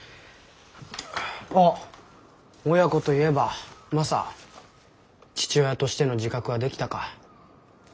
あっ親子と言えばマサ父親としての自覚はできたか？